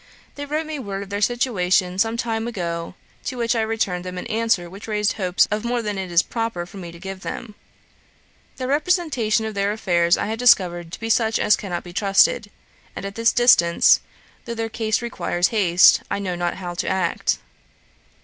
They wrote me word of their situation some time ago, to which I returned them an answer which raised hopes of more than it is proper for me to give them. Their representation of their affairs I have discovered to be such as cannot be trusted; and at this distance, though their case requires haste, I know not how to act.